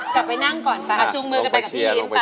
กลับไปนั่งก่อนจุงมือกันไปกับพี่อิ๊ม